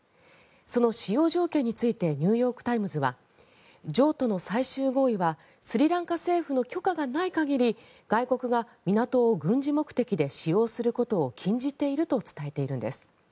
その使用条件についてニューヨーク・タイムズは譲渡の最終合意はスリランカ政府の許可がない限り外国が港を軍事目的で使用することを禁じていると伝えているんです。